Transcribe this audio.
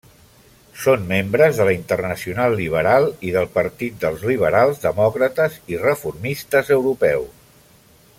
Són membres de la Internacional Liberal i del Partit dels Liberals Demòcrates i Reformistes Europeus.